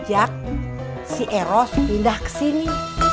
sejak si eros pindah ke sini